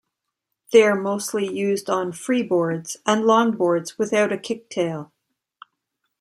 They are mostly used on freeboards and longboards without a kicktail.